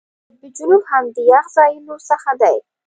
قطب جنوب هم د یخ ځایونو څخه دی.